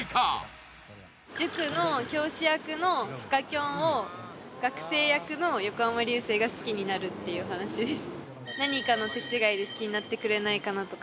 女性：塾の教師役の深キョンを学生役の横浜流星が好きになるっていう話です。